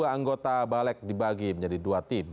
dua puluh dua anggota balik dibagi menjadi dua tim